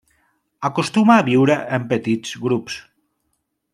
Acostuma a viure en petits grups.